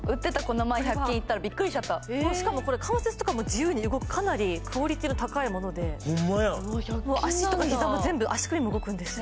売ってたこの前１００均行ったらビックリしちゃったしかもこれ関節とかも自由に動くかなりクオリティーの高いもので足とか膝も全部足首も動くんですよ